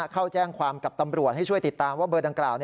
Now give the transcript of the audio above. เข้าแจ้งความกับตำรวจให้ช่วยติดตามว่าเบอร์ดังกล่าว